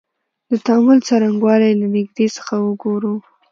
د تعامل څرنګوالی یې له نیږدې څخه وګورو.